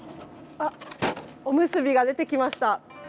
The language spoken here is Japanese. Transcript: あっ、おむすびが出てきました。